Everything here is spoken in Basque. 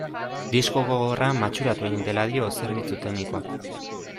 Disko gogorra matxuratu egin dela dio zerbitzu teknikoak.